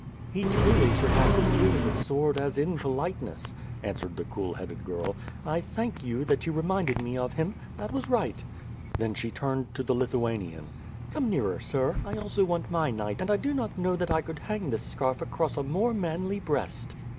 "He truly surpasses you in the sword as in politeness/' WITH PIRE AND SWORD. 315 answered the cool headed girl, "I thank you that you re minded me of him. That was right!" Then she turned to the Lithuanian: "Come nearer, sir; I also want my knight and I do not know that I could hang this ^oarf across a more manly breast."